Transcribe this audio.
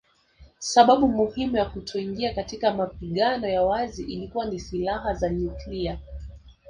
Sababu muhimu ya kutoingia katika mapigano ya wazi ilikuwa ni silaha za nyuklia